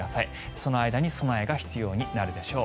その間に備えが必要になるでしょう。